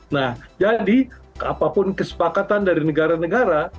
nah jadi apapun kesepakatan dari negara negara